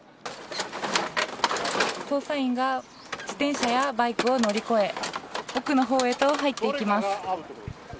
捜査員が自転車やバイクを乗り越え奥のほうへと入っていきます。